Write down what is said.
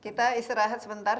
kita istirahat sebentar